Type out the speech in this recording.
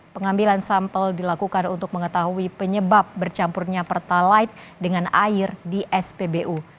pengambilan sampel dilakukan untuk mengetahui penyebab bercampurnya pertalite dengan air di spbu